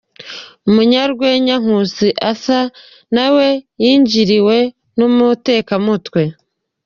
Umunyarwenya Nkusi Arthur nawe yinjiriwe n’umutekamutwe.